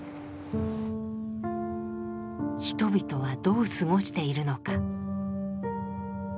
人々はどう過ごしているのか。